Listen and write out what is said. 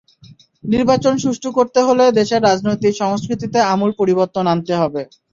নির্বাচন সুষ্ঠু করতে হলে দেশের রাজনৈতিক সংস্কৃতিতে আমূল পরিবর্তন আনতে হবে।